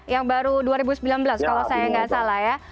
yang baru dua ribu sembilan belas kalau saya nggak salah ya